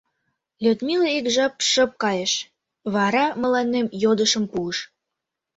Людмила ик жап шып кайыш, вара мыланем йодышым пуыш: